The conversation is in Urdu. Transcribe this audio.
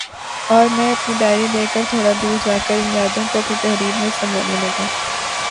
اور میں اپنی ڈائری لے کر تھوڑا دور جا کر ان یادوں کو اپنی تحریر میں سمونے لگا